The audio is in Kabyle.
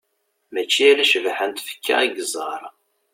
Mačči ala ccbaḥa n tfekka i yeẓẓar.